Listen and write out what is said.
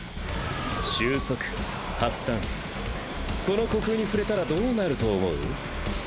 収束発散この虚空に触れたらどうなると思う？